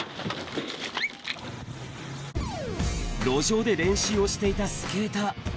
路上で練習をしていたスケーター。